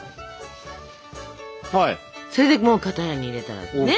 それでもう型に入れたらね。